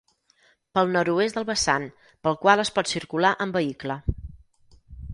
Pel nord-oest del vessant, pel qual es pot circular amb vehicle.